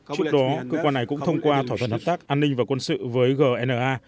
trước đó cơ quan này cũng thông qua thỏa thuận hợp tác an ninh và quân sự với gna